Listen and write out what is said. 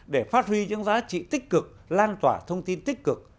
để phát huy những giá trị tích cực lan tỏa thông tin tích cực